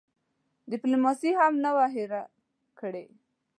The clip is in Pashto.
ډیپلوماسي هم نه وه هېره کړې.